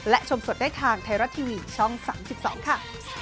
และชมสดได้ทางไทยรัฐทีวีช่อง๓๒ค่ะ